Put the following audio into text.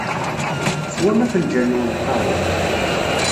Teswam afenǧal-nwen n lqahwa.